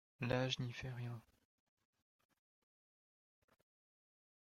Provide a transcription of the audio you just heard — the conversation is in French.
L’âge n’y fait rien !…